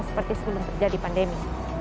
seperti sebelum terjadi pandemi